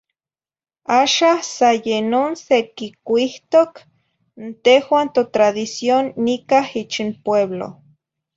Axah san ye non sequicuuihtoc n tehuah totradición nicah ich n pueblo.